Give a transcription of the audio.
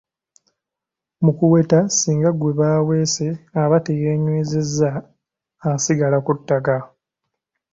Mu kuweta ssinga gwe baweese aba teyeenywezezza asigala ku ttaka.